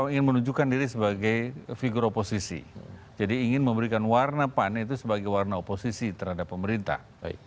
ingin menunjukkan diri sebagai figur oposisi jadi ingin memberikan warna pan itu sebagai warna oposisi terhadap pemerintah